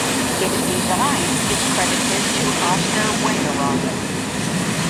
Its design is credited to Oscar Wenderoth.